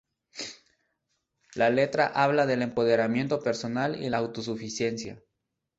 La letra habla del empoderamiento personal y la autosuficiencia.